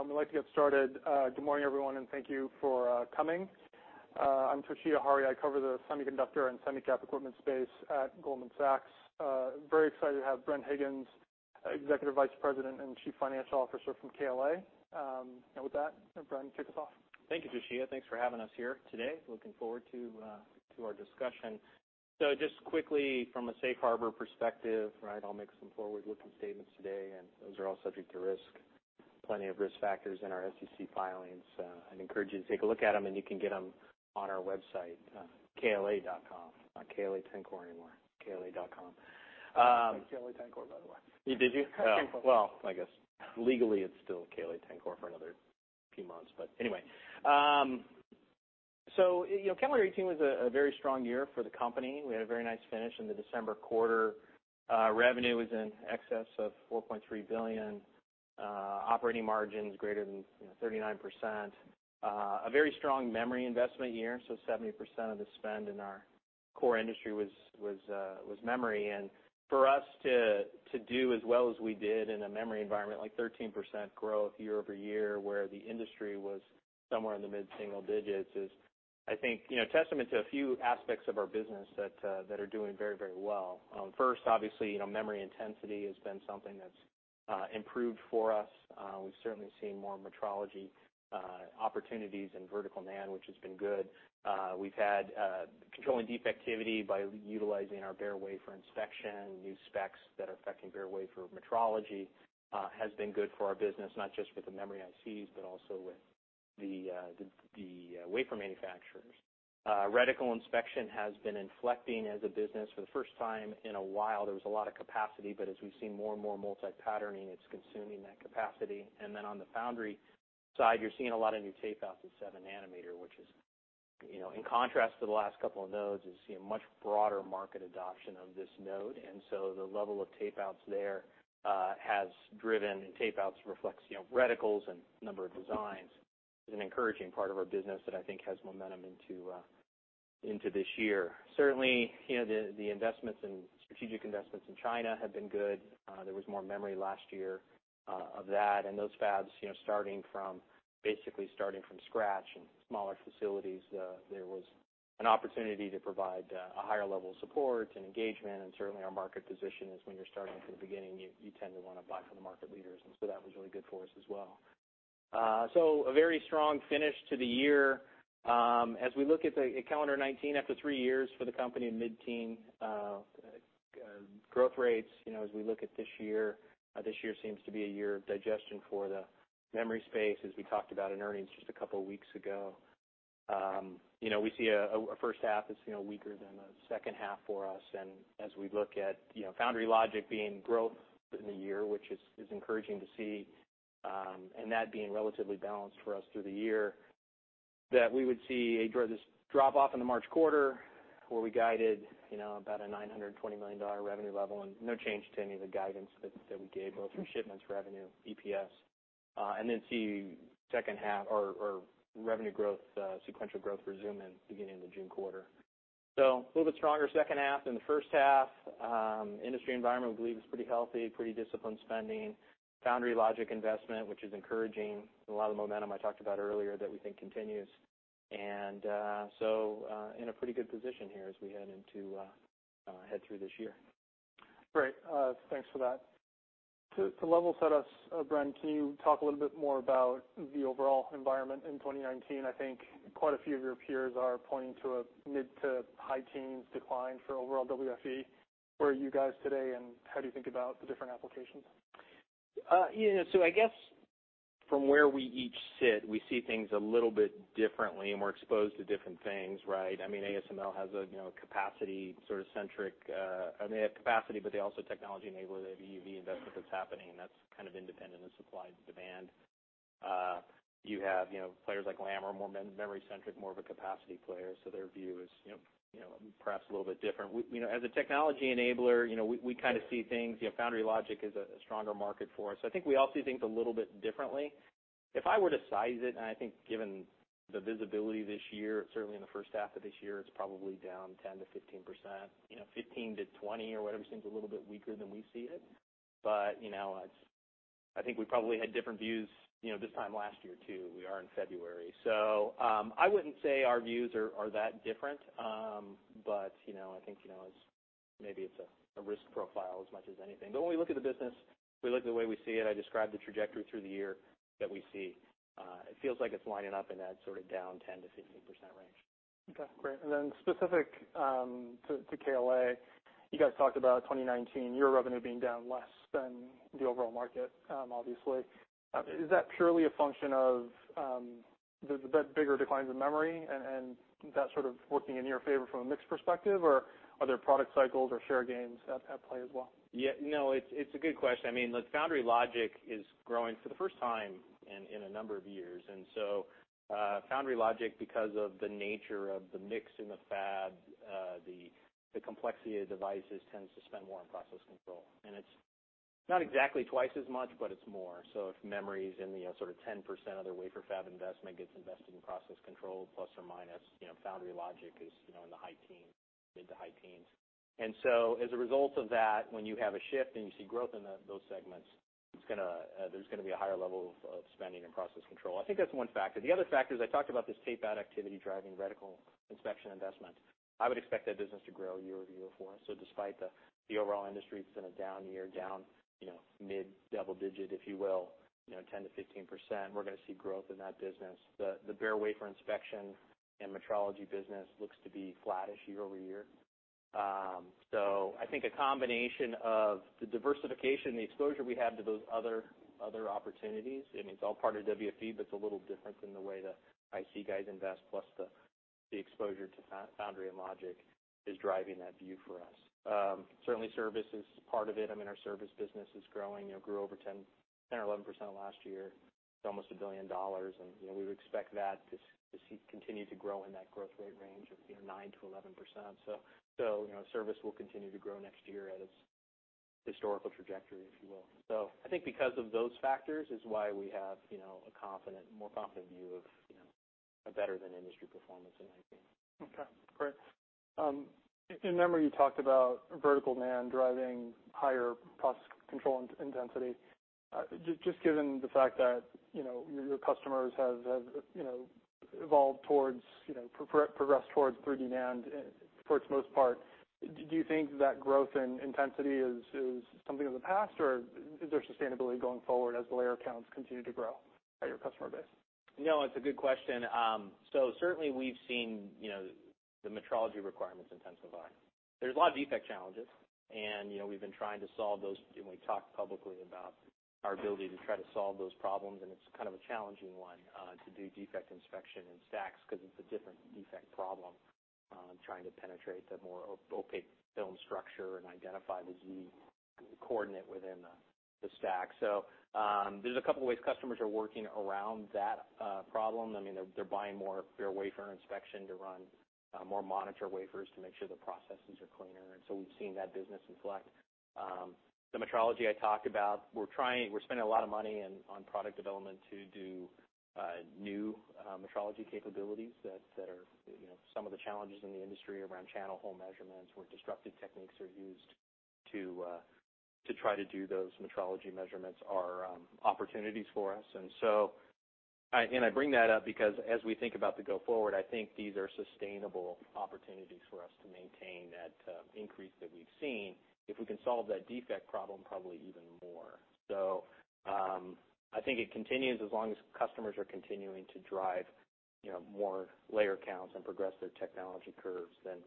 Great. We'd like to get started. Good morning, everyone, thank you for coming. I'm Toshiya Hari. I cover the semiconductor and semi-cap equipment space at Goldman Sachs. Very excited to have Bren Higgins, Executive Vice President and Chief Financial Officer from KLA. With that, Bren, kick us off. Thank you, Toshiya. Thanks for having us here today. Looking forward to our discussion. Just quickly, from a safe harbor perspective, I'll make some forward-looking statements today, those are all subject to risk. Plenty of risk factors in our SEC filings. I'd encourage you to take a look at them, you can get them on our website, kla.com. Not KLA-Tencor anymore, kla.com. KLA-Tencor, by the way. Did you? KLA-Tencor. Anyway. Calendar 2018 was a very strong year for the company. We had a very nice finish in the December quarter. Revenue was in excess of $4.3 billion. Operating margins greater than 39%. A very strong memory investment year, 70% of the spend in our core industry was memory. For us to do as well as we did in a memory environment, like 13% growth year-over-year, where the industry was somewhere in the mid-single-digits, is, I think, a testament to a few aspects of our business that are doing very well. First, obviously, memory intensity has been something that's improved for us. We've certainly seen more metrology opportunities in vertical NAND, which has been good. We've had controlling defectivity by utilizing our bare wafer inspection. New specs that are affecting bare wafer metrology has been good for our business, not just with the memory ICs, but also with the wafer manufacturers. Reticle inspection has been inflecting as a business for the first time in a while. There was a lot of capacity, but as we've seen more and more multi-patterning, it's consuming that capacity. On the foundry side, you're seeing a lot of new tape-outs at 7nm, which is, in contrast to the last couple of nodes, you're seeing much broader market adoption of this node. The level of tape-outs there has driven tape-outs, reflects reticles and number of designs. It's an encouraging part of our business that I think has momentum into this year. Certainly, the strategic investments in China have been good. There was more memory last year of that, and those fabs basically starting from scratch in smaller facilities, there was an opportunity to provide a higher level of support and engagement, and certainly our market position is when you're starting from the beginning, you tend to want to buy from the market leaders. That was really good for us as well. A very strong finish to the year. As we look at calendar 2019, after three years for the company in mid-teen growth rates, as we look at this year, this year seems to be a year of digestion for the memory space, as we talked about in earnings just a couple of weeks ago. We see a first half that's weaker than the second half for us, as we look at foundry logic being growth in the year, which is encouraging to see, and that being relatively balanced for us through the year, that we would see this drop-off in the March quarter, where we guided about a $920 million revenue level and no change to any of the guidance that we gave, both from shipments, revenue, EPS. See second half or revenue growth, sequential growth resume in the beginning of the June quarter. A little bit stronger second half than the first half. Industry environment we believe is pretty healthy, pretty disciplined spending. Foundry logic investment, which is encouraging. A lot of the momentum I talked about earlier that we think continues. In a pretty good position here as we head through this year. Great. Thanks for that. To level set us, Bren, can you talk a little bit more about the overall environment in 2019? I think quite a few of your peers are pointing to a mid-to-high teens decline for overall WFE. Where are you guys today, and how do you think about the different applications? Yeah. I guess from where we each sit, we see things a little bit differently, and we're exposed to different things, right? ASML has a capacity sort of they have capacity, but they also technology enable. They have EUV investment that's happening, and that's kind of independent of supply and demand. You have players like Lam are more memory centric, more of a capacity player, their view is perhaps a little bit different. As a technology enabler, we kind of see things, foundry logic is a stronger market for us. I think we all see things a little bit differently. If I were to size it, and I think given the visibility this year, certainly in the first half of this year, it's probably down 10%-15%. 15%-20% or whatever seems a little bit weaker than we see it. I think we probably had different views this time last year, too. We are in February. I wouldn't say our views are that different. I think maybe it's a risk profile as much as anything. When we look at the business, we look at the way we see it, I describe the trajectory through the year that we see. It feels like it's lining up in that sort of down 10%-15% range. Okay, great. Then specific to KLA, you guys talked about 2019, your revenue being down less than the overall market, obviously. Is that purely a function of the bigger declines in memory and that sort of working in your favor from a mix perspective, or are there product cycles or share gains at play as well? Yeah. No, it's a good question. Look, foundry logic is growing for the first time in a number of years. Foundry logic, because of the nature of the mix in the fab, the complexity of the devices tends to spend more on process control. It's not exactly twice as much, but it's more. If memory's in the sort of 10% of their wafer fab investment gets invested in process control, plus or minus, foundry logic is in the mid to high teens. As a result of that, when you have a shift and you see growth in those segments, there's going to be a higher level of spending and process control. I think that's one factor. The other factor is I talked about this tape-out activity driving reticle inspection investment. I would expect that business to grow year-over-year for us. Despite the overall industry, it's in a down year, down mid-double digit, if you will, 10%-15%, we're going to see growth in that business. The bare wafer inspection and metrology business looks to be flattish year-over-year. I think a combination of the diversification, the exposure we have to those other opportunities, and it's all part of WFE, but it's a little different than the way the IC guys invest, plus the exposure to foundry and logic is driving that view for us. Certainly, service is part of it. Our service business is growing. It grew over 10% or 11% last year to almost $1 billion, and we would expect that to continue to grow in that growth rate range of 9%-11%. Service will continue to grow next year at its historical trajectory, if you will. I think because of those factors is why we have a more confident view of a better than industry performance in 2019. Okay, great. In memory, you talked about vertical NAND driving higher process control intensity. Just given the fact that your customers have progressed towards 3D NAND for its most part, do you think that growth in intensity is something of the past, or is there sustainability going forward as the layer counts continue to grow at your customer base? No, it's a good question. Certainly, we've seen the metrology requirements intensify. There's a lot of defect challenges, and we've been trying to solve those. We talked publicly about our ability to try to solve those problems, and it's kind of a challenging one to do defect inspection in stacks because it's a different defect problem, trying to penetrate the more opaque film structure and identify the Z coordinate within the stack. There's a couple of ways customers are working around that problem. They're buying more bare wafer inspection to run more monitor wafers to make sure the processes are cleaner. We've seen that business inflect. The metrology I talked about, we're spending a lot of money on product development to do new metrology capabilities that are some of the challenges in the industry around channel hole measurements, where destructive techniques are used to try to do those metrology measurements are opportunities for us. I bring that up because as we think about the go forward, I think these are sustainable opportunities for us to maintain that increase that we've seen. If we can solve that defect problem, probably even more. I think it continues as long as customers are continuing to drive more layer counts and progress their technology curves, then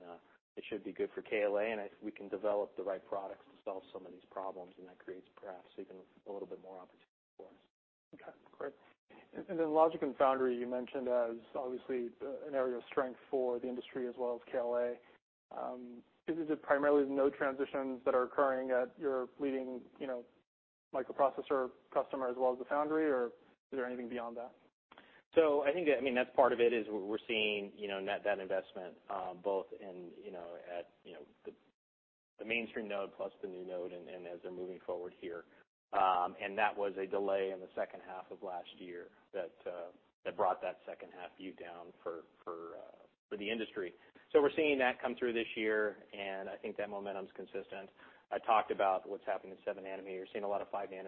it should be good for KLA, and if we can develop the right products to solve some of these problems, and that creates perhaps even a little bit more opportunity for us. Okay, great. Logic and foundry you mentioned as obviously an area of strength for the industry as well as KLA. Is it primarily the node transitions that are occurring at your leading microprocessor customer as well as the foundry, or is there anything beyond that? I think that's part of it is we're seeing that investment both in the mainstream node plus the new node and as they're moving forward here. That was a delay in the second half of last year that brought that second half view down for the industry. We're seeing that come through this year, and I think that momentum's consistent. I talked about what's happening in 7nm. Seeing a lot of 5nm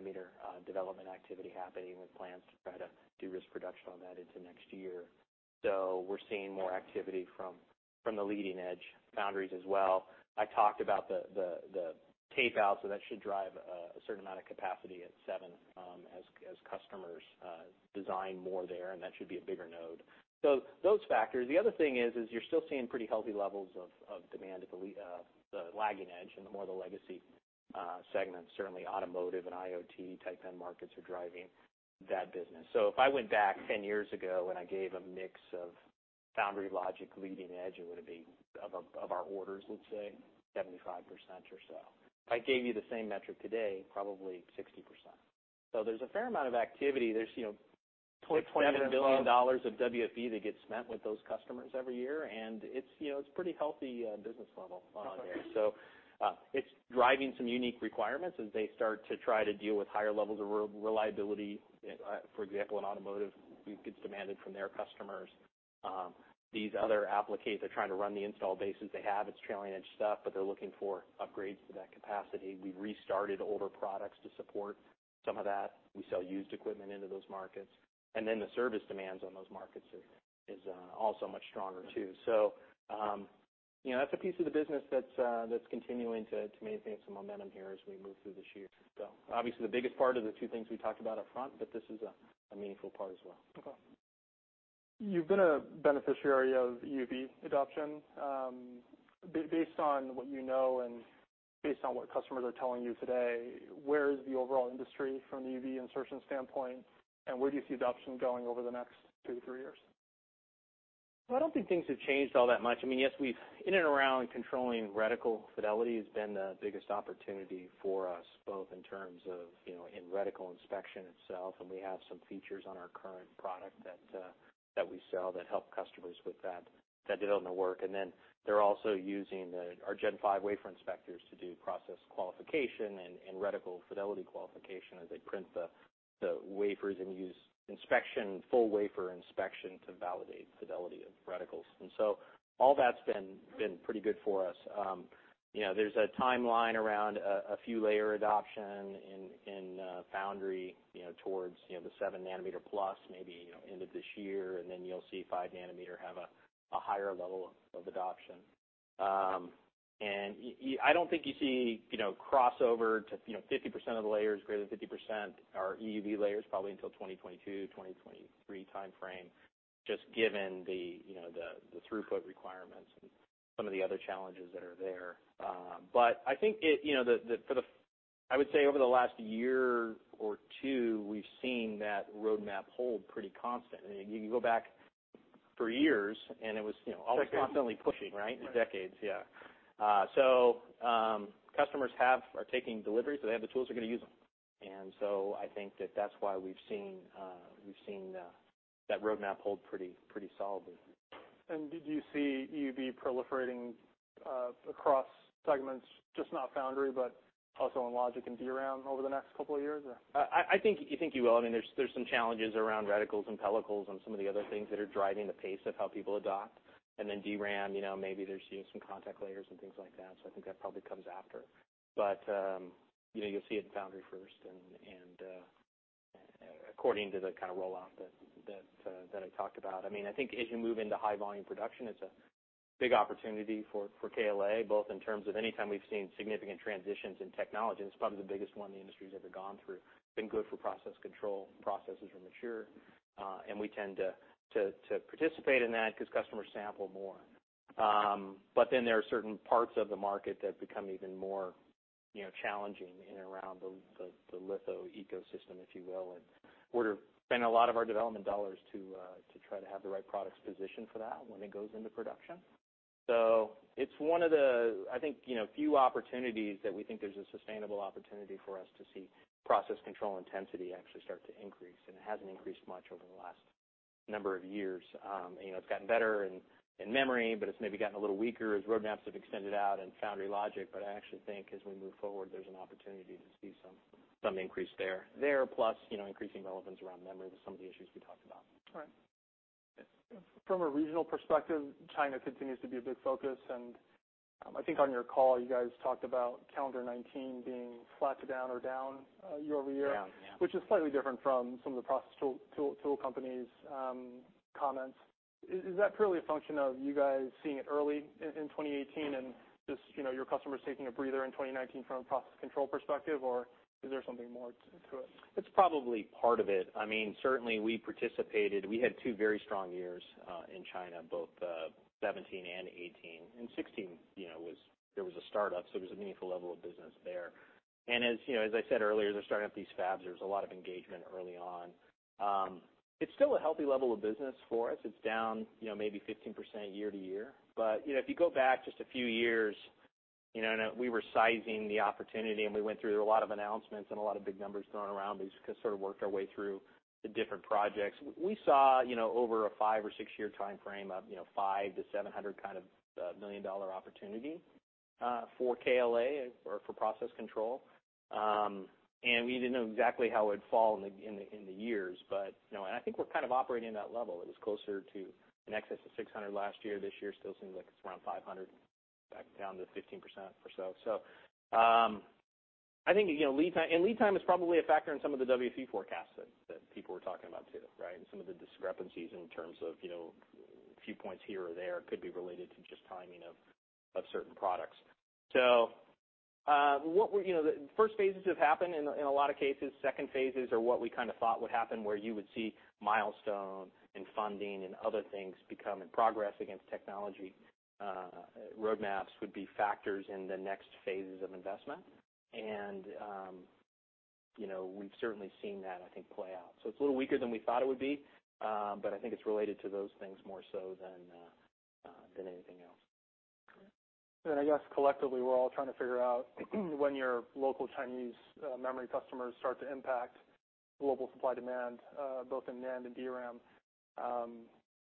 development activity happening with plans to try to do risk production on that into next year. We're seeing more activity from the leading-edge foundries as well. I talked about the tape-out. That should drive a certain amount of capacity at 7nm as customers design more there, and that should be a bigger node. Those factors. The other thing is you're still seeing pretty healthy levels of demand at the lagging edge and the more of the legacy segments. Certainly, automotive and IoT type end markets are driving that business. If I went back 10 years ago, and I gave a mix of foundry logic leading edge, it would have been, of our orders, let's say, 75% or so. If I gave you the same metric today, probably 60%. There's a fair amount of activity. There's $27 billion- $27 billion of WFE that gets spent with those customers every year, it's a pretty healthy business level on there. It's driving some unique requirements as they start to try to deal with higher levels of reliability. For example, in automotive, it gets demanded from their customers. These other applications are trying to run the install bases they have. It's trailing-edge stuff, but they're looking for upgrades to that capacity. We've restarted older products to support some of that. We sell used equipment into those markets. The service demands on those markets is also much stronger, too. That's a piece of the business that's continuing to maintain some momentum here as we move through this year. Obviously, the biggest part are the two things we talked about up front, but this is a meaningful part as well. Okay. You've been a beneficiary of EUV adoption. Based on what you know and based on what customers are telling you today, where is the overall industry from an EUV insertion standpoint, and where do you see adoption going over the next two to three years? Well, I don't think things have changed all that much. Yes, in and around controlling reticle fidelity has been the biggest opportunity for us, both in terms of in reticle inspection itself, and we have some features on our current product that we sell that help customers with that to do all their work. Then they're also using our Gen 5 wafer inspectors to do process qualification and reticle fidelity qualification as they print the wafers and use inspection, full wafer inspection to validate fidelity reticles. So all that's been pretty good for us. There's a timeline around a few layer adoption in foundry towards the 7nm plus maybe end of this year, then you'll see 5nm have a higher level of adoption. I don't think you see crossover to 50% of the layers, greater than 50% are EUV layers probably until 2022, 2023 timeframe, just given the throughput requirements and some of the other challenges that are there. I would say over the last year or two, we've seen that roadmap hold pretty constant. You can go back for years. Decades always constantly pushing, right? Right. Decades, yeah. Customers are taking deliveries, so they have the tools, they're going to use them. I think that that's why we've seen that roadmap hold pretty solidly. Did you see EUV proliferating across segments, just not foundry, but also in logic and DRAM over the next couple of years, or? I think you will. There's some challenges around reticles and pellicles and some of the other things that are driving the pace of how people adopt. Then DRAM, maybe they're seeing some contact layers and things like that, so I think that probably comes after. You'll see it in foundry first, and according to the kind of rollout that I talked about. I think as you move into high volume production, it's a big opportunity for KLA, both in terms of anytime we've seen significant transitions in technology, and it's probably the biggest one the industry's ever gone through. It's been good for process control. Processes are mature. We tend to participate in that because customers sample more. Then there are certain parts of the market that become even more challenging in and around the litho ecosystem, if you will. We spend a lot of our development dollars to try to have the right products positioned for that when it goes into production. It's one of the, I think, few opportunities that we think there's a sustainable opportunity for us to see process control intensity actually start to increase, and it hasn't increased much over the last number of years. It's gotten better in memory, but it's maybe gotten a little weaker as roadmaps have extended out in foundry logic. I actually think as we move forward, there's an opportunity to see some increase there. There, plus increasing relevance around memory with some of the issues we talked about. Right. From a regional perspective, China continues to be a big focus, I think on your call, you guys talked about calendar 2019 being flat to down or down year-over-year. Down, yeah. Which is slightly different from some of the process tool companies' comments. Is that purely a function of you guys seeing it early in 2018 and just your customers taking a breather in 2019 from a process control perspective, or is there something more to it? It is probably part of it. Certainly, we participated. We had two very strong years in China, both 2017 and 2018. In 2016, there was a startup, so it was a meaningful level of business there. As I said earlier, they are starting up these fabs. There was a lot of engagement early on. It is still a healthy level of business for us. It is down maybe 15% year-over-year. If you go back just a few years, and we were sizing the opportunity, and we went through, there were a lot of announcements and a lot of big numbers thrown around, but we sort of worked our way through the different projects. We saw over a five- or six-year timeframe a $500 million-$700 million opportunity for KLA or for process control. We did not know exactly how it would fall in the years, but I think we are kind of operating at that level. It was closer to in excess of $600 million last year. This year still seems like it is around $500 million, back down to 15% or so. I think lead time, and lead time is probably a factor in some of the WFE forecasts that people were talking about, too, right? Some of the discrepancies in terms of a few points here or there could be related to just timing of certain products. The first phases have happened in a lot of cases. Second phases are what we kind of thought would happen, where you would see milestone and funding and other things become in progress against technology. Roadmaps would be factors in the next phases of investment. We have certainly seen that, I think, play out. It's a little weaker than we thought it would be. I think it's related to those things more so than anything else. I guess collectively, we're all trying to figure out when your local Chinese memory customers start to impact global supply demand, both in NAND and DRAM.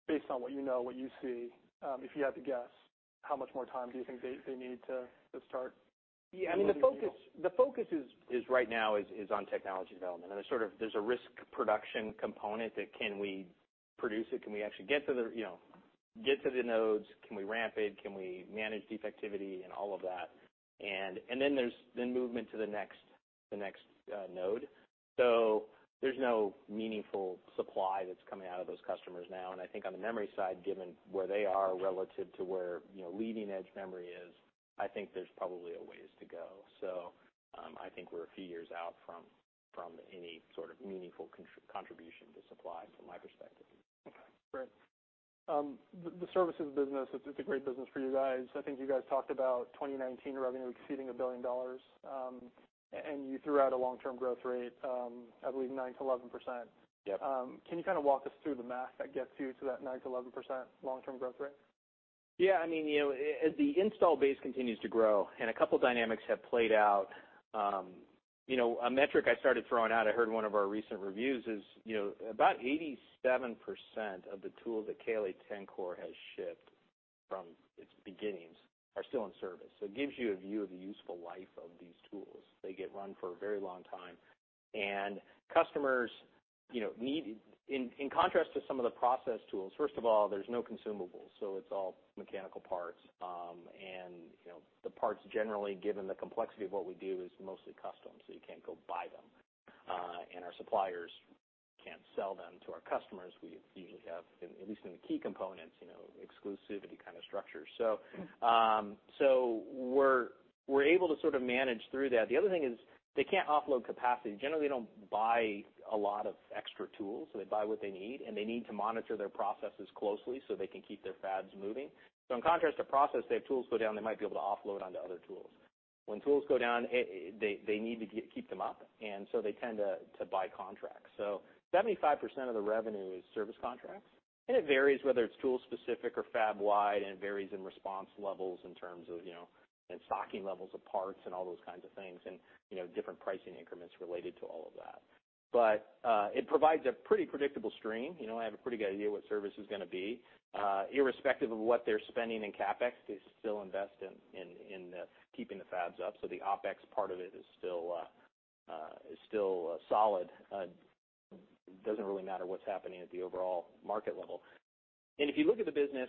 Based on what you know, what you see, if you had to guess, how much more time do you think they need to start? Yeah, the focus right now is on technology development. There's a risk production component that can we produce it? Can we actually get to the nodes? Can we ramp it? Can we manage defectivity and all of that? Then there's then movement to the next node. There's no meaningful supply that's coming out of those customers now, and I think on the memory side, given where they are relative to where leading-edge memory is, I think there's probably a ways to go. I think we're a few years out from any sort of meaningful contribution to supply, from my perspective. Okay, great. The services business, it's a great business for you guys. I think you guys talked about 2019 revenue exceeding $1 billion, you threw out a long-term growth rate, I believe 9%-11%. Yep. Can you kind of walk us through the math that gets you to that 9% to 11% long-term growth rate? Yeah. As the install base continues to grow, a couple dynamics have played out, a metric I started throwing out, I heard in one of our recent reviews is, about 87% of the tools that KLA-Tencor has shipped from its beginnings are still in service. It gives you a view of the useful life of these tools. They get run for a very long time. Customers, in contrast to some of the process tools, first of all, there's no consumables, so it's all mechanical parts. The parts, generally, given the complexity of what we do, is mostly custom, so you can't go buy them. Our suppliers can't sell them to our customers. We usually have, at least in the key components, exclusivity kind of structures. We're able to sort of manage through that. The other thing is they can't offload capacity. Generally, they don't buy a lot of extra tools. They buy what they need, and they need to monitor their processes closely so they can keep their fabs moving. In contrast to process, if they have tools go down, they might be able to offload onto other tools. When tools go down, they need to keep them up, they tend to buy contracts. 75% of the revenue is service contracts, and it varies whether it's tool specific or fab wide, and it varies in response levels in terms of stocking levels of parts and all those kinds of things, and different pricing increments related to all of that. It provides a pretty predictable stream. I have a pretty good idea what service is going to be. Irrespective of what they're spending in CapEx, they still invest in keeping the fabs up. The OpEx part of it is still solid. It doesn't really matter what's happening at the overall market level. If you look at the business,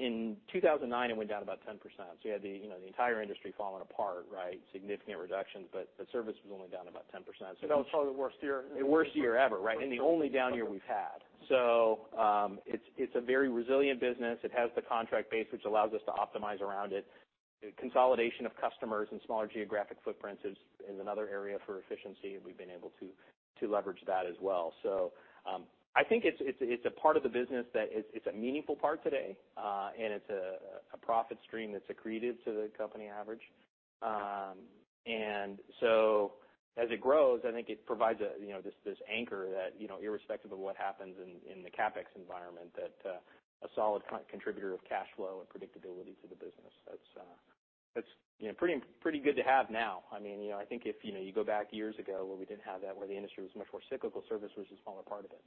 in 2009, it went down about 10%. You had the entire industry falling apart, right? Significant reductions, the service was only down about 10%. That was probably the worst year. The worst year ever, right? The only down year we've had. It's a very resilient business. It has the contract base, which allows us to optimize around it. Consolidation of customers and smaller geographic footprints is another area for efficiency, and we've been able to leverage that as well. I think it's a part of the business that it's a meaningful part today, and it's a profit stream that's accreted to the company average. As it grows, I think it provides this anchor that, irrespective of what happens in the CapEx environment, that a solid contributor of cash flow and predictability to the business. That's pretty good to have now. I think if you go back years ago, where we didn't have that, where the industry was much more cyclical, service was a smaller part of it.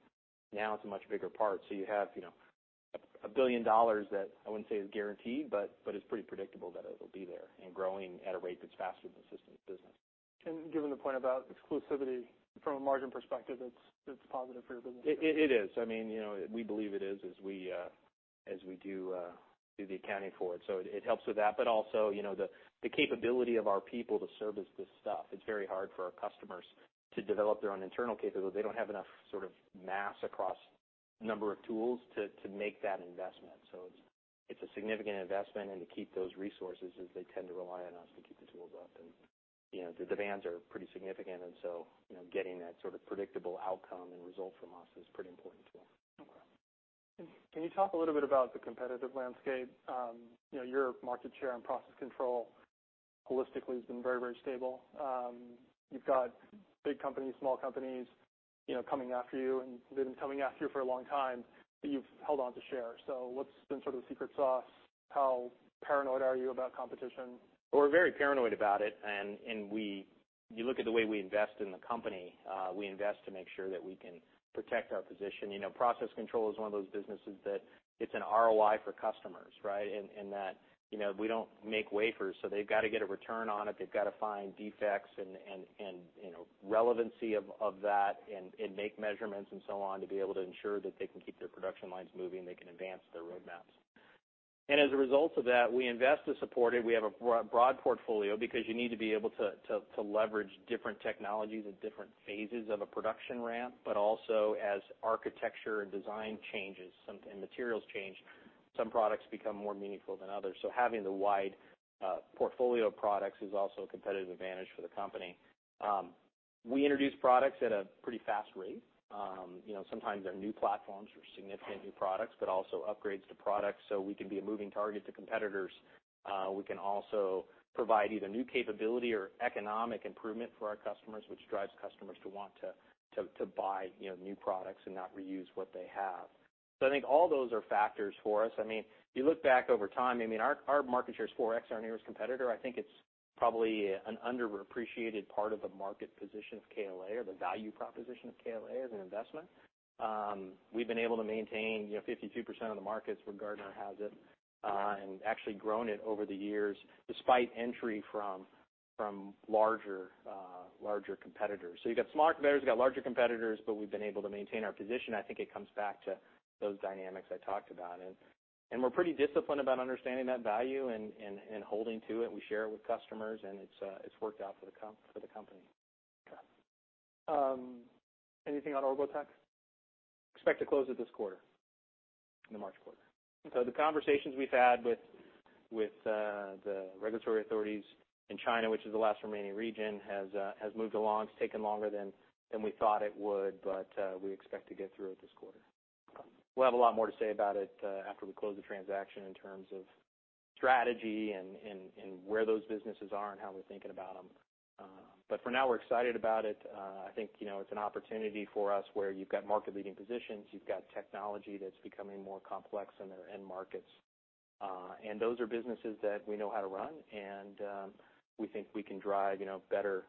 Now it's a much bigger part, so you have $1 billion that I wouldn't say is guaranteed, but is pretty predictable that it'll be there and growing at a rate that's faster than the systems business. Given the point about exclusivity from a margin perspective, it's positive for your business. It is. We believe it is, as we do the accounting for it. It helps with that, also, the capability of our people to service this stuff, it's very hard for our customers to develop their own internal capability. They don't have enough sort of mass across number of tools to make that investment. It's a significant investment, to keep those resources as they tend to rely on us to keep the tools up, the demands are pretty significant, getting that sort of predictable outcome and result from us is pretty important to them. Okay. Can you talk a little bit about the competitive landscape? Your market share and process control holistically has been very stable. You've got big companies, small companies, coming after you, they've been coming after you for a long time, you've held on to share. What's been sort of the secret sauce? How paranoid are you about competition? We're very paranoid about it, you look at the way we invest in the company, we invest to make sure that we can protect our position. Process control is one of those businesses that it's an ROI for customers, right? That we don't make wafers, they've got to get a return on it. They've got to find defects and relevancy of that make measurements and so on to be able to ensure that they can keep their production lines moving, they can advance their roadmaps. As a result of that, we invest to support it. We have a broad portfolio because you need to be able to leverage different technologies at different phases of a production ramp, also as architecture and design changes, materials change, some products become more meaningful than others. Having the wide portfolio of products is also a competitive advantage for the company. We introduce products at a pretty fast rate. Sometimes they're new platforms or significant new products, also upgrades to products, we can be a moving target to competitors. We can also provide either new capability or economic improvement for our customers, which drives customers to want to buy new products and not reuse what they have. I think all those are factors for us. You look back over time, our market share is 4x our nearest competitor. I think it's probably an underappreciated part of the market position of KLA or the value proposition of KLA as an investment. We've been able to maintain 52% of the markets where Gartner has it, actually grown it over the years, despite entry from larger competitors. You've got smaller competitors, you've got larger competitors, but we've been able to maintain our position, and I think it comes back to those dynamics I talked about. We're pretty disciplined about understanding that value and holding to it. We share it with customers, and it's worked out for the company. Okay. Anything on Orbotech? Expect to close it this quarter. In the March quarter. The conversations we've had with the regulatory authorities in China, which is the last remaining region, has moved along. It's taken longer than we thought it would, but we expect to get through it this quarter. We'll have a lot more to say about it after we close the transaction in terms of strategy and where those businesses are and how we're thinking about them. For now, we're excited about it. I think it's an opportunity for us where you've got market-leading positions, you've got technology that's becoming more complex in their end markets. Those are businesses that we know how to run, and we think we can drive better and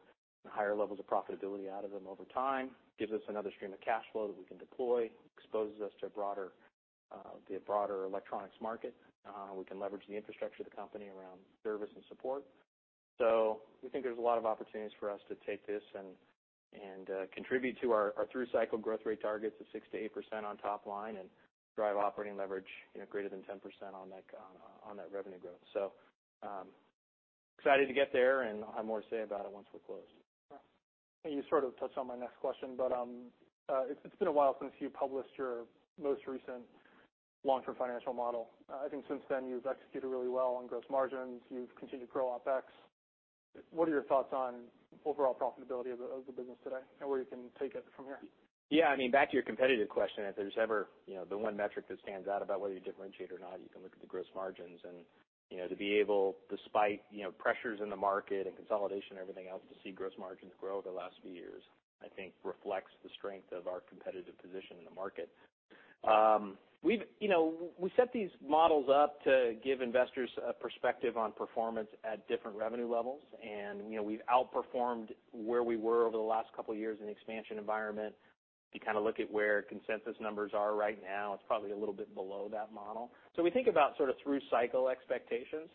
higher levels of profitability out of them over time. Gives us another stream of cash flow that we can deploy. Exposes us to the broader electronics market. We can leverage the infrastructure of the company around service and support. We think there's a lot of opportunities for us to take this and contribute to our through-cycle growth rate targets of 6% to 8% on top line and drive operating leverage greater than 10% on that revenue growth. Excited to get there, and I'll have more to say about it once we're closed. You sort of touched on my next question, but it's been a while since you published your most recent long-term financial model. I think since then you've executed really well on gross margins. You've continued to grow OpEx. What are your thoughts on overall profitability of the business today and where you can take it from here? Back to your competitive question. If there's ever the one metric that stands out about whether you differentiate or not, you can look at the gross margins. To be able, despite pressures in the market and consolidation and everything else, to see gross margins grow over the last few years, I think reflects the strength of our competitive position in the market. We set these models up to give investors a perspective on performance at different revenue levels, and we've outperformed where we were over the last couple of years in the expansion environment. If you look at where consensus numbers are right now, it's probably a little bit below that model. We think about through-cycle expectations.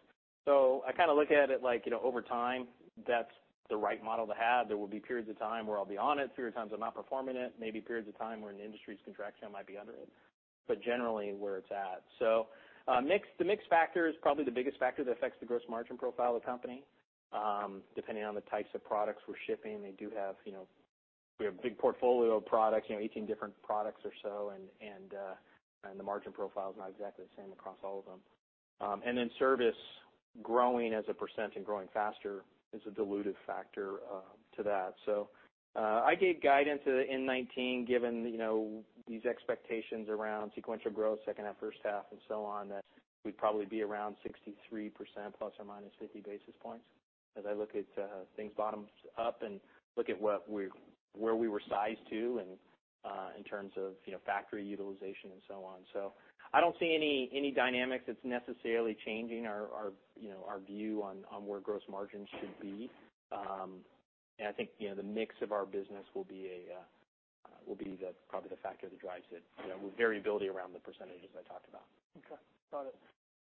I look at it like, over time, that's the right model to have. There will be periods of time where I'll be on it, periods of times I'm outperforming it, maybe periods of time where in an industry's contraction, I might be under it. Generally, where it's at. The mix factor is probably the biggest factor that affects the gross margin profile of the company. Depending on the types of products we're shipping, we have a big portfolio of products, 18 different products or so, and the margin profile is not exactly the same across all of them. Then service, growing as a % and growing faster is a dilutive factor to that. I gave guidance in 2019, given these expectations around sequential growth, second half, first half, and so on, that we'd probably be around 63% ± 50 basis points, as I look at things bottom-up and look at where we were sized to in terms of factory utilization and so on. I don't see any dynamics that's necessarily changing our view on where gross margins should be. I think the mix of our business will be probably the factor that drives it, with variability around the percentages I talked about. Okay. Got it.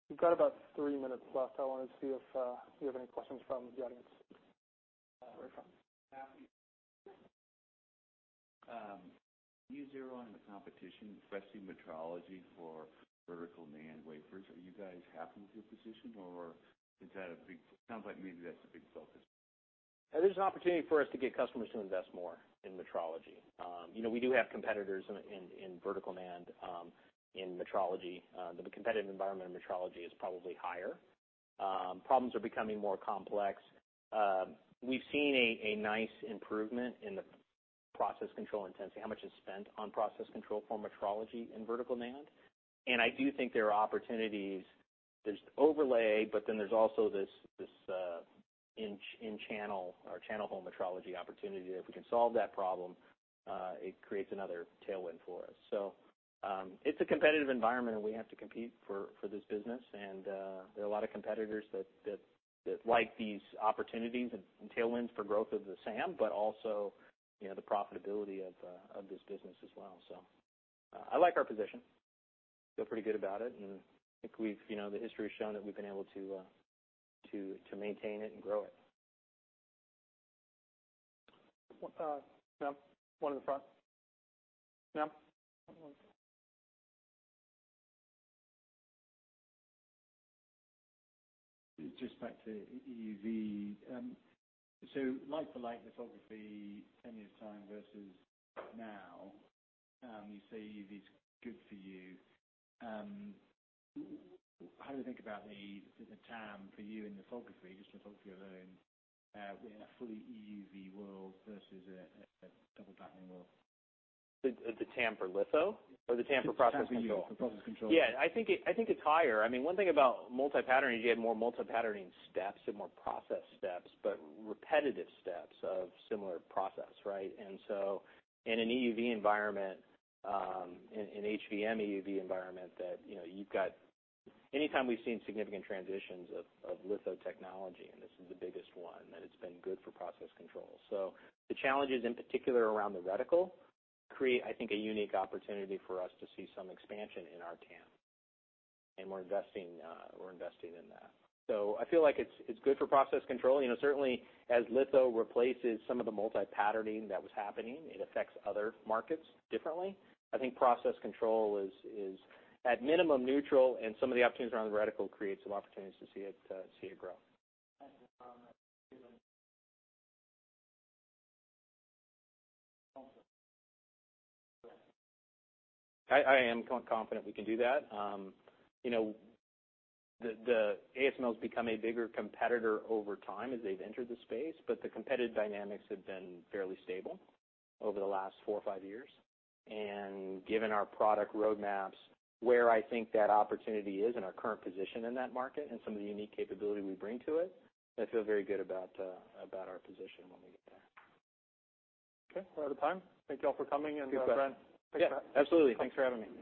We've got about three minutes left. I wanted to see if you have any questions from the audience. Where from? Matthew. When you zero in on the competition, wrestling metrology for vertical NAND wafers, are you guys happy with your position, or it sounds like maybe that's a big focus. There's an opportunity for us to get customers to invest more in metrology. We do have competitors in vertical NAND in metrology. The competitive environment in metrology is probably higher. Problems are becoming more complex. We've seen a nice improvement in the process control intensity, how much is spent on process control for metrology in vertical NAND. I do think there are opportunities. There's overlay, but then there's also this in-channel or channel-hole metrology opportunity, that if we can solve that problem, it creates another tailwind for us. It's a competitive environment, and we have to compete for this business. There are a lot of competitors that like these opportunities and tailwinds for growth of the SAM, but also the profitability of this business as well. I like our position. Feel pretty good about it, and I think the history has shown that we've been able to maintain it and grow it. Ma'am, one in the front. Ma'am. Just back to EUV. Light for light lithography, 10 years' time versus now, you say EUV's good for you. How do you think about the TAM for you in lithography, just for lithography alone, in a fully EUV world versus a double patterning world? The TAM for litho? The TAM for process control? The TAM for process control. Yeah, I think it's higher. One thing about multi-patterning is you had more multi-patterning steps and more process steps, but repetitive steps of similar process, right? In an EUV environment, in HVM EUV environment, anytime we've seen significant transitions of litho technology, and this is the biggest one, that it's been good for process control. The challenges, in particular, around the reticle create, I think, a unique opportunity for us to see some expansion in our TAM, and we're investing in that. I feel like it's good for process control. Certainly, as litho replaces some of the multi-patterning that was happening, it affects other markets differently. I think process control is at minimum neutral, and some of the opportunities around the reticle create some opportunities to see it grow. Thank you. I am confident we can do that. ASML's become a bigger competitor over time as they've entered the space, but the competitive dynamics have been fairly stable over the last four or five years. Given our product roadmaps, where I think that opportunity is and our current position in that market and some of the unique capability we bring to it, I feel very good about our position when we get there. Okay. We're out of time. Thank you all for coming, and Bren- Yeah. Absolutely. Thanks for having me.